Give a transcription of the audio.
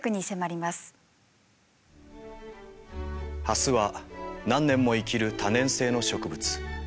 ハスは何年も生きる多年生の植物。